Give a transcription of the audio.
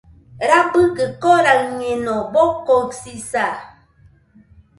Rabɨkɨ koraɨñeno, bokoɨsisa.